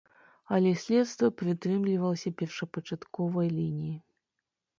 Але следства прытрымлівалася першапачатковай лініі.